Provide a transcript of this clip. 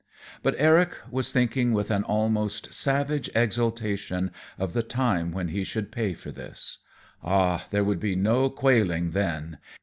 But Eric was thinking with an almost savage exultation of the time when he should pay for this. Ah, there would be no quailing then!